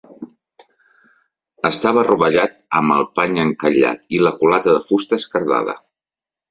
Estava rovellat, amb el pany encallat i la culata de fusta esquerdada